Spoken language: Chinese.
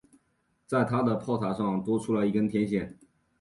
在它的炮塔上多出了一根天线。